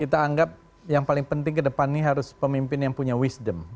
kita anggap yang paling penting ke depan ini harus pemimpin yang punya wisdom